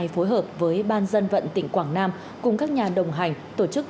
phối hợp với ban dân vận tỉnh quảng nam cùng các nhà đồng hành tổ chức